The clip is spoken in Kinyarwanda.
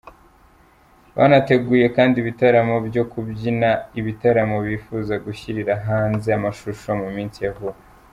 Banateguye kandi ibitaramo byo kubyina, ibitaramo bifuza gushyirira hanze amashusho mu minsi ya vuba.